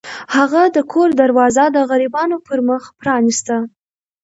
هغه د کور دروازه د غریبانو پر مخ پرانیسته.